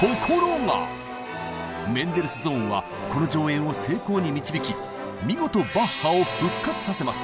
メンデルスゾーンはこの上演を成功に導き見事バッハを復活させます！